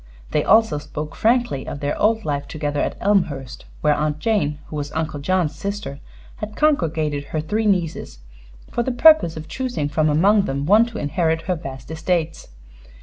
They also spoke frankly of their old life together at Elmhurst, where Aunt Jane, who was Uncle John's sister, had congregated her three nieces for the purpose of choosing from among them one to inherit her vast estates.